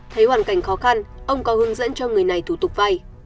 thấy hoàn cảnh khó khăn ông có hướng dẫn cho người này thủ tục vay